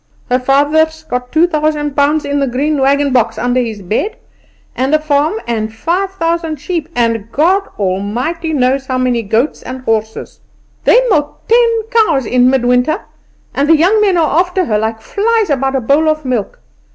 "Her father's got two thousand pounds in the green wagon box under his bed, and a farm, and five thousand sheep, and God Almighty knows how many goats and horses. They milk ten cows in mid winter, and the young men are after her like flies about a bowl of milk.